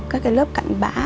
các lớp cặn bã